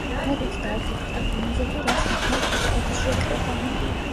მოდით, დავფიქრდეთ იმაზე, თუ რას ნიშნავს რიცხვების შეკრება.